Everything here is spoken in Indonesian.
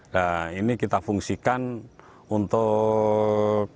nah ini kita fungsikan untuk